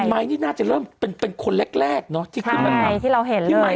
คุณไหม้เนี่ยน่าจะเริ่มเป็นเป็นคนแรกแรกเนอะใช่ไหมที่เราเห็นเลย